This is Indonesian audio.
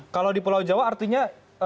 kalau di pulau jawa artinya